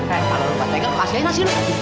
eh kalo lu ada tega kasih aja nasi lu